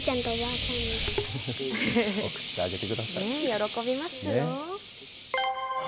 喜びますよ。